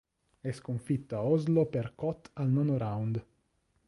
È sconfitto a Oslo per kot al nono round.